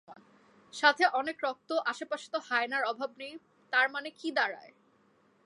সাথে অনেক রক্ত আশেপাশে তো হায়েনার অভাব নেই তার মানে কি দাঁড়ায়?